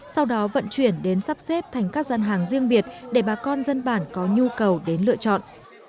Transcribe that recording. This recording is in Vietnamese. sau đó vận chuyển đến sắp xếp thành các dân hàng riêng biệt để bà con dân bản có nhu cầu đến lựa chọn